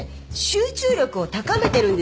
集中力を高めてるんですよ。